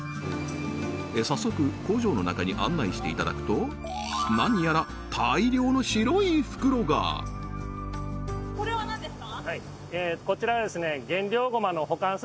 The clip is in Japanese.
早速工場の中に案内していただくと何やらこれは何ですか？